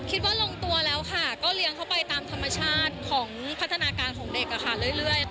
คิดว่าลงตัวแล้วค่ะก็เลี้ยงเข้าไปตามธรรมชาติของพัฒนาการของเด็กเรื่อย